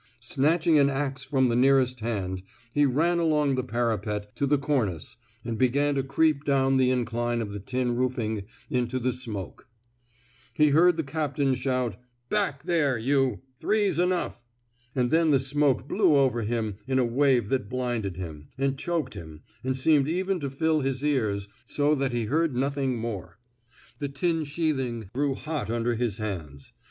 Snatching an ax from the nearest hand, he ran along the parapet to the cornice, and began to creep down the incline of the tin roofing into the smoke. 165 THE SMOKE EATEES He heard the captain shout, Back there, youl Three *s enough; *' and then the smoke blew over him in a wave that blinded him, and choked him, and seemed even to fill his ears so that he heard nothing more. The tin sheathing grew hot under his hands.